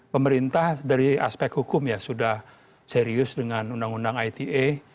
pemerintah dari aspek hukum ya sudah serius dengan undang undang ite